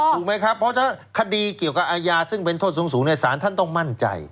ถูกไหมครับเพราะถ้าคดีเกี่ยวกับอาญาซึ่งเป็นโทษสูงสารท่านต้องมั่นใจ